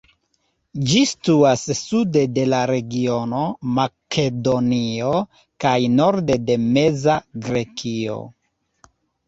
Ĝi situas sude de la regiono Makedonio kaj norde de Meza Grekio.